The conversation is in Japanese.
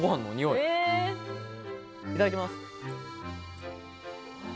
いただきます。